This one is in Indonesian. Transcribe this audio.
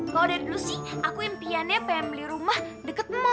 kalau dari dulu sih aku impiannya pengen beli rumah deket